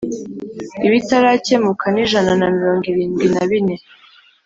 ibitarakemuka ni ijana na mirongo iridwi na bine